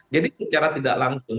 jadi secara tidak langsung